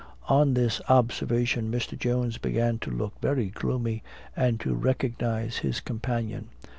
On this observation, Mr. Jones began to look very gloomy, and to recognize his companion.